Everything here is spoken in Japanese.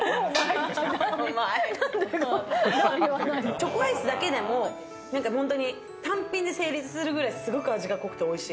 チョコアイスだけでも単品で成立するくらい、すごく味が濃くておいしい。